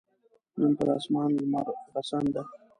نن پر اسمان لمرغسن ده